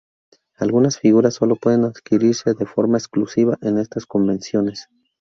Algunas figuras solo pueden adquirirse de forma exclusiva en estas convenciones.